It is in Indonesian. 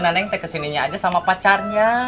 nenek saya ke sini aja sama pacarnya